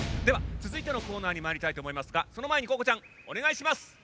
ではつづいてのコーナーにまいりたいとおもいますがそのまえにここちゃんおねがいします。